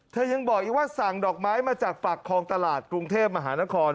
ยังบอกอีกว่าสั่งดอกไม้มาจากปากคลองตลาดกรุงเทพมหานคร